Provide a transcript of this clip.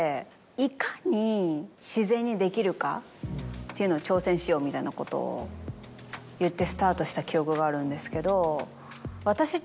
いかに自然にできるかっていうのを挑戦しようみたいなことを言ってスタートした記憶があるんですけど。